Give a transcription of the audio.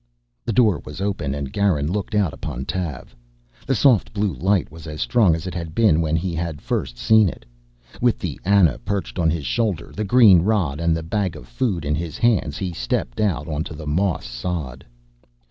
The door was open and Garin looked out upon Tav. The soft blue light was as strong as it had been when he had first seen it. With the Ana perched on his shoulder, the green rod and the bag of food in his hands, he stepped out onto the moss sod.